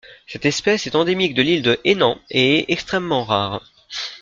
Cette espèce est endémique de l'île de Hainan et est extrêmement rare.